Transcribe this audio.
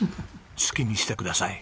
好きにしてください。